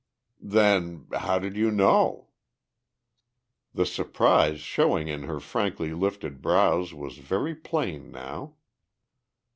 "Then ... how did you know?" The surprise showing in her frankly lifted brows was very plain now.